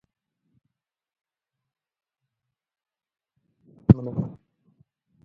افغانستان کې سیلانی ځایونه د هنر په اثار کې منعکس کېږي.